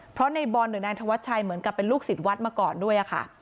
เพราะในบอลหรือนายธวัชชัยเหมือนกับเป็นลูกศิษย์วัดมาก่อนด้วยค่ะ